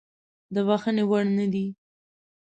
د بخښنې وړ نه دی.